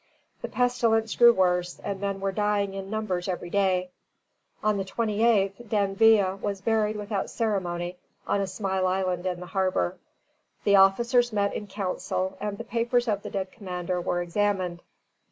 The pestilence grew worse, and men were dying in numbers every day. On the 28th, D'Anville was buried without ceremony on a small island in the harbor. The officers met in council, and the papers of the dead commander were examined.